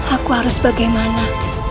aku harus bagaimana